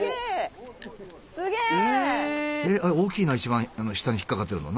大きいな一番下に引っ掛かってるの。